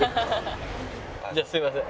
じゃあすみません。